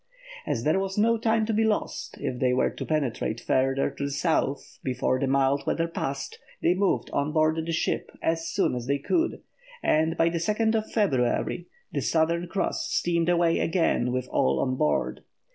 As there was no time to be lost, if they were to penetrate further to the South before the mild weather passed, they moved on board the ship as soon as they could, and by February 2 the Southern Cross steamed away again with all on board.